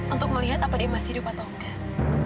untuk melihat apa dia masih hidup atau enggak